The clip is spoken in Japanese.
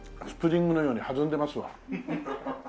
スプリングのように弾んでますわ。